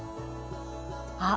あっ！